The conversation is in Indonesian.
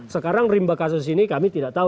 sekarang rimba kasus ini kami tidak tahu